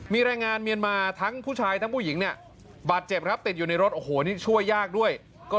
มีแรงงานเมียนมาทั้งผู้ชายทั้งผู้หญิงเนี่ย